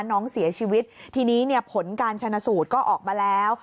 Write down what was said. น้องเสียชีวิตทีนี้เนี่ยผลการชนะสูตรก็ออกมาแล้ว